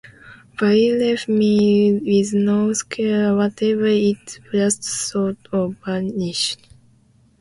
But it left me with no scars whatever; it just sort of vanished.